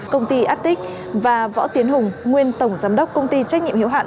công ty atic và võ tiến hùng nguyên tổng giám đốc công ty trách nhiệm hiệu hạn